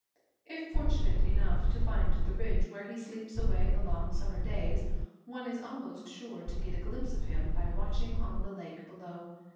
If fortunate enough to find the ridge where he sleeps away the long summer days, one is almost sure to get a glimpse of him by watching on the lake below.